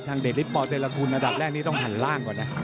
ทางเดทลิศปอลเตรลากูลอัตราแรกต้องหันล่างก่อนนะครับ